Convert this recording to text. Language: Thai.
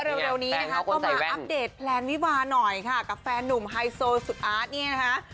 เร็วนี้นะคะก็มาอัปเดตแพลนวิวาหน่อยค่ะกับแฟนหนุ่มไฮโซสุดอาร์ตเนี่ยนะคะ